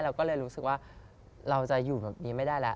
เราก็เลยรู้สึกว่าเราจะอยู่แบบนี้ไม่ได้แล้ว